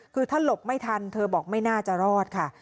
คือถ้าหลบไม่ทันเธอบอกไม่น่าจะรอดค่ะ